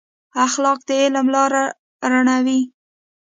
اخلاق د علم لار رڼوي.